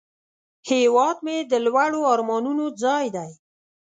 هیواد مې د لوړو آرمانونو ځای دی